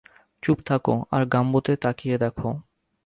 চুপ থাকো আর গাম্বোতে তাকিয়ে দেখো।